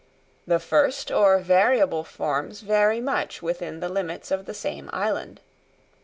The first or variable forms vary much within the limits of the same island.